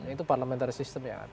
itu parlamentari sistem yang ada